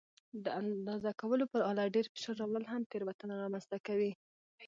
د اندازه کولو پر آله ډېر فشار راوړل هم تېروتنه رامنځته کوي.